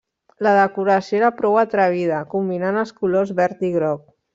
La decoració era prou atrevida, combinant els colors verd i groc.